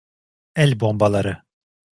El bombaları.